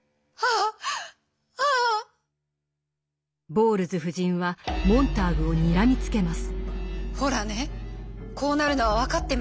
ボウルズ夫人はモンターグをにらみつけます。